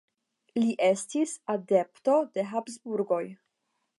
Li estis adepto de Habsburgoj.